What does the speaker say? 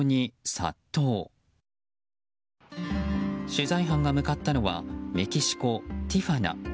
取材班が向かったのはメキシコ・ティファナ。